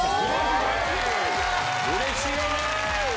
うれしいね！